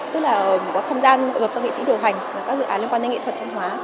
tức là một các không gian độc lập do nghệ sĩ điều hành và các dự án liên quan đến nghệ thuật hình hóa